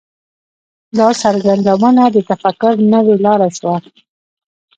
دا څرګندونه د تفکر نوې لاره شوه.